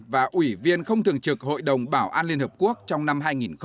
và ủy viên không thường trực hội đồng bảo an liên hợp quốc trong năm hai nghìn hai mươi